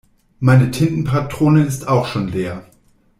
Meine Tintenpatrone ist auch schon leer.